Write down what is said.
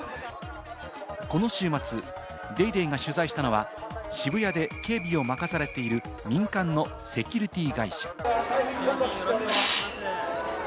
この週末、『ＤａｙＤａｙ．』が取材したのは、渋谷で警備を任されている民間のセキュリティ会社。